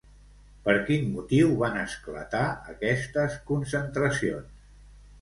Per quin motiu van esclatar aquestes concentracions?